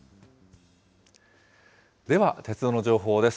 では鉄道の情報です。